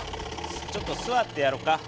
ちょっと座ってやろか。